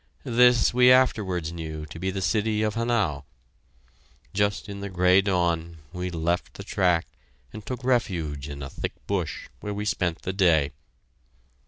This we afterwards knew to be the city of Hanau. Just in the gray dawn, we left the track and took refuge in a thick bush, where we spent the day.